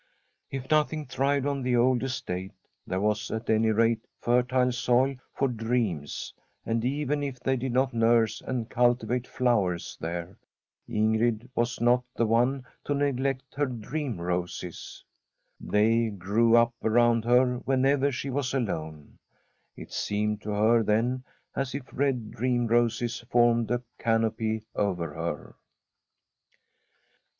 If nothing thrived on the old estate, there was, k From a SfTEDlSH HOMESTEAD at any rate, fertile soil for dreams, and even if they did not nurse and cultivate flowers there, In grid was not the one to neglect her dream roses. They grew up around her whenever she was alone. It seemed to her then as if red dream roses formed a canopy over her.